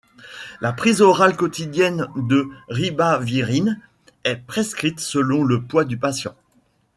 La prise orale quotidienne de ribavirine est prescrite selon le poids du patient.